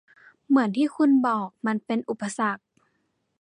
เหมือนที่คุณบอก มันเป็นอุปสรรค